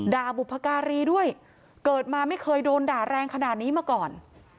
บุพการีด้วยเกิดมาไม่เคยโดนด่าแรงขนาดนี้มาก่อน